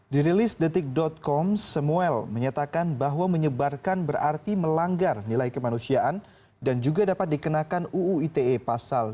dirilis detik com samuel menyatakan bahwa menyebarkan berarti melanggar nilai kemanusiaan dan juga dapat dikenakan uu ite pasal dua puluh